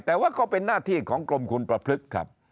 แต่ว่าก็เป็นหน้าที่ของกรมคุณประพฤกษ์ครับ